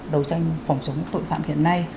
đầu tranh phòng chống tội phạm hiện nay